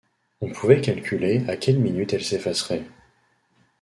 On pouvait calculer à quelle minute elle s’effacerait.